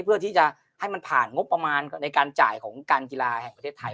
เพื่อที่จะให้มันผ่านงบประมาณในการจ่ายของการกีฬาแห่งประเทศไทย